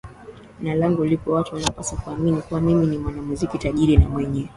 na langu lipo Watu wanapaswa kuamini kuwa mimi ni mwanamuziki tajiri na mwenye